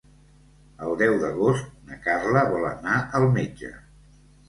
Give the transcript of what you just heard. El deu d'agost na Carla vol anar al metge.